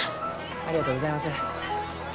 ありがとうございます。